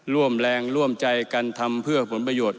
ร่วมแรงร่วมใจกันทำเพื่อผลประโยชน์